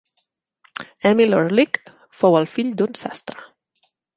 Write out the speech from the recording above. Emil Orlik fou el fill d'un sastre.